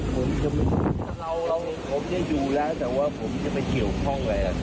ผมจะอยู่แล้วแต่ว่าผมจะไปเกี่ยวข้องไว้แล้วครับ